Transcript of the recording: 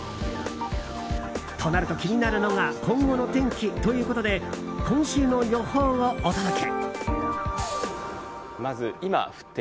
となると気になるのが今後の天気ということで今週の予報をお届け！